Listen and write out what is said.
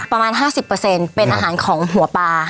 ประมาณ๕๐เป็นอาหารของหัวปลา